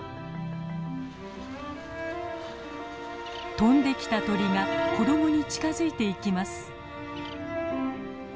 飛んできた鳥が子どもに近づいていきます。